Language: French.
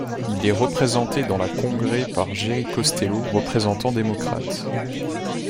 Il est représenté dans la Congrès par Jerry Costello, représentant démocrate.